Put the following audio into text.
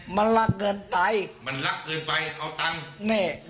มันรักเกินไปมันรักเกินไปเอาตังค์แน่